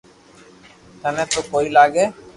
ٿني تو ڪوئي لاگي